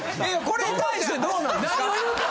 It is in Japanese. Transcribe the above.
これに対してどうなんですか？